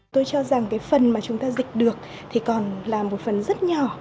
tôi cho rằng cái phần mà chúng ta dịch được thì còn là một phần rất nhỏ